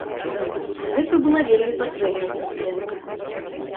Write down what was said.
Гэта была вельмі патрэбная падтрымка.